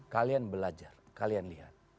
kalian belajar kalian lihat